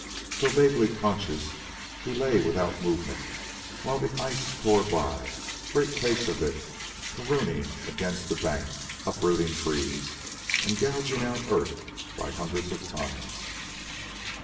Though vaguely conscious, he lay without movement while the ice tore by, great cakes of it caroming against the bank, uprooting trees, and gouging out earth by hundreds of tons.